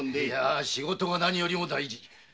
いや仕事が何よりも大事。